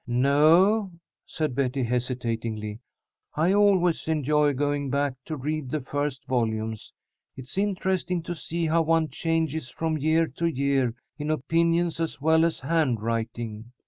"No," said Betty, hesitatingly. "I always enjoy going back to read the first volumes. It's interesting to see how one changes from year to year in opinions as well as handwriting.